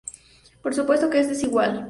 Por supuesto que es desigual.